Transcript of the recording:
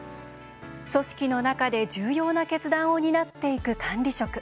組織の中で重要な決断を担っていく管理職。